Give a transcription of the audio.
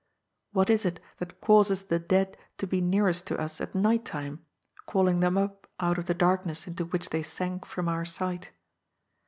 What is it that causes the dead to be nearest to us at night time, calling them up out of the darkness into which they sank from our>^sight?